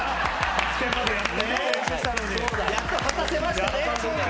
やっと果たせましたね。